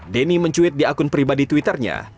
denny mencuit di akun pribadi twitternya